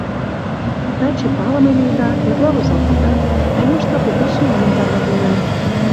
Таче палыме лийыда, эрла возалтыда, кумышто кугу сӱаным тарватена.